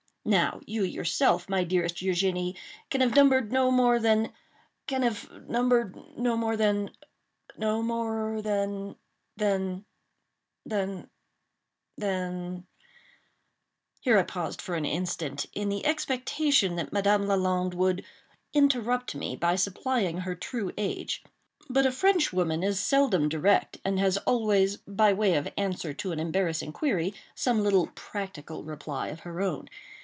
Now you yourself, my dearest Eugénie, can have numbered no more than—can have numbered no more than—no more than—than—than—than—" Here I paused for an instant, in the expectation that Madame Lalande would interrupt me by supplying her true age. But a Frenchwoman is seldom direct, and has always, by way of answer to an embarrassing query, some little practical reply of her own.